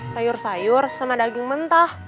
sayur sayur sama daging mentah